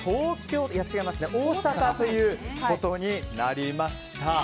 大阪ということになりました。